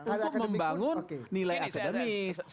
untuk membangun nilai akademis